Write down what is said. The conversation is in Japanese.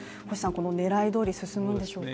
狙いどおり進むんでしょうか？